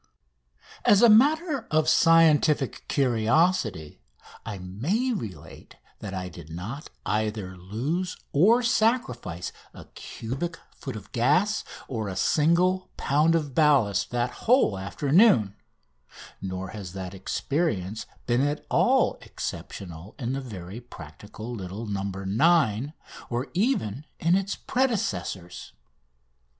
As a matter of scientific curiosity I may relate that I did not either lose or sacrifice a cubic foot of gas or a single pound of ballast that whole afternoon nor has that experience been at all exceptional in the very practical little "No. 9" or even in its predecessors.